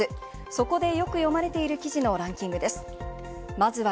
そこでよく読まれている記事のランキングです。